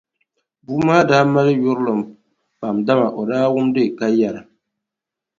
Bua maa daa mali yurilim pam dama o daa wumdi ka yɛra.